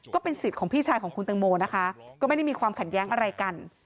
ก็เป็นสิทธิ์ของพี่ชายของคุณตังโมนะคะก็ไม่ได้มีความขัดแย้งอะไรกัน